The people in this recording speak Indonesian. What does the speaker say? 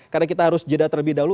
karena kita harus jeda terlebih dahulu